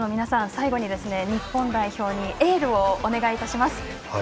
最後に日本代表にエールをお願いします。